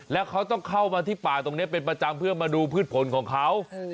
แล้วเขาต้องเข้ามาที่ป่าตรงนี้เป็นประจำเพื่อมาดูพืชผลของเขา